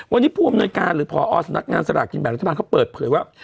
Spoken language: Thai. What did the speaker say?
วันนี้ผู้อำนวยการหรือพอสำนักงานสลากกินแบ่งรัฐบาลเขาเปิดเผยว่า